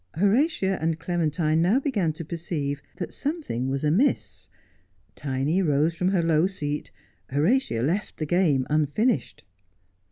Horatia and Clementine now began to perceive that something was amiss. Tiny rose from her low seat. Horatia left the game unfinished.